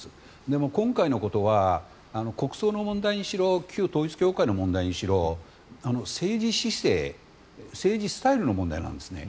でも、今回のことは国葬の問題にしろ旧統一教会の問題にしろ政治姿勢、政治スタイルの問題なんですね。